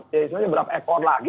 ya istilahnya berapa ekor lagi